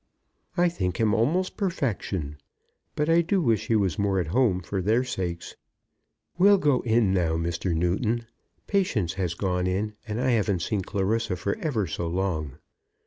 "I think him almost perfection; but I do wish he was more at home for their sakes. We'll go in now, Mr. Newton. Patience has gone in, and I haven't seen Clarissa for ever so long."